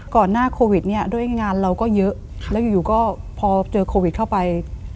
หน้าโควิดเนี่ยด้วยงานเราก็เยอะแล้วอยู่ก็พอเจอโควิดเข้าไป